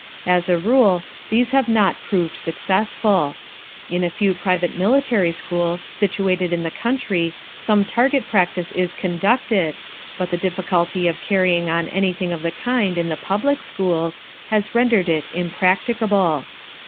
As a rule, these have not proved successful. In a few private military schools situated in the country some target practice is conducted, but the difficulty of carrying on anything of the kind in the public schools has rendered it impracticable.